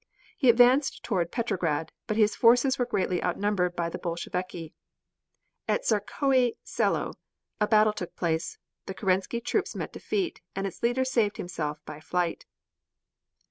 He advanced toward Petrograd, but his forces were greatly outnumbered by the Bolsheviki. At Tsarskoe Selo a battle took place, the Kerensky troops met defeat, and its leader saved himself by flight.